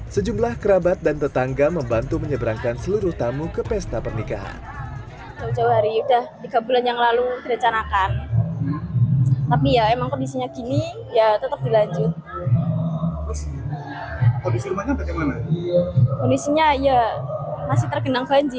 sejumlah kerabat dan tetangga membantu menyeberangkan seluruh tamu ke pesta pernikahan